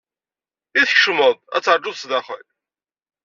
I tkecmed-d, ad teṛjud sdaxel?